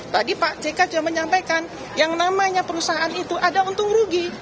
tadi pak jk sudah menyampaikan yang namanya perusahaan itu ada untung rugi